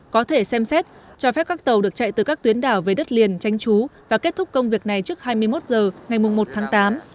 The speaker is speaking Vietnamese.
có thể xem xét cho phép các tàu được chạy từ các tuyến đảo về đất liền tranh trú và kết thúc công việc này trước hai mươi một h ngày một tháng tám